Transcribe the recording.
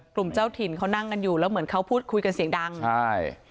เจ้าถิ่นเขานั่งกันอยู่แล้วเหมือนเขาพูดคุยกันเสียงดังใช่